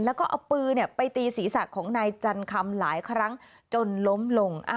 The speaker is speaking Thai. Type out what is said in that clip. แล้วก็เอาปืนไปตีศีรษะของนายจันคำหลายครั้งจนล้มลง